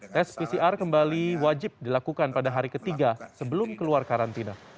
tes pcr kembali wajib dilakukan pada hari ketiga sebelum keluar karantina